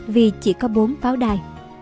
vì chỉ có bốn pháo đài